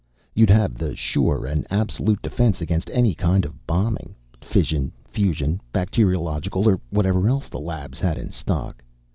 You'd have the sure and absolute defense against any kind of bombing fission, fusion, bacteriological or whatever else the labs had in stock.